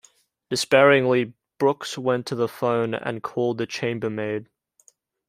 Despairingly Brooks went to the phone and called the chambermaid.